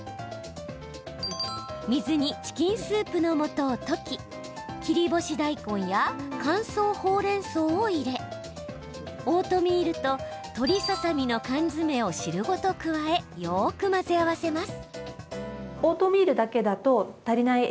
水にチキンスープのもとを溶き切り干し大根や乾燥ほうれんそうを入れオートミールと鶏ささ身の缶詰を汁ごと加えよく混ぜ合わせます。